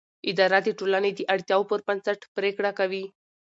اداره د ټولنې د اړتیاوو پر بنسټ پریکړه کوي.